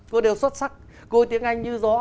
cô đều xuất sắc cô tiếng anh như gió